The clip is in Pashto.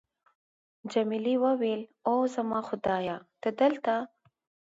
جميلې وويل:: اوه، زما خدایه، ته دلته!